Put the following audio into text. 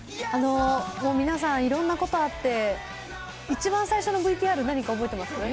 もう皆さん、いろんなことあって、一番最初のＶＴＲ、何か覚えてます？